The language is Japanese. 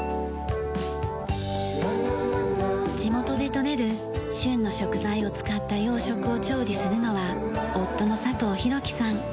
地元で採れる旬の食材を使った洋食を調理するのは夫の佐藤宏樹さん。